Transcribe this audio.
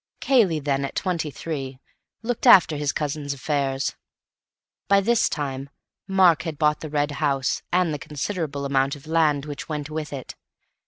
Cayley, then, at twenty three, looked after his cousin's affairs. By this time Mark had bought the Red House and the considerable amount of land which went with it.